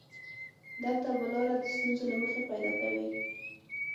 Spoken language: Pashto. دلته به لاره د ستورو له مخې پيدا کوې.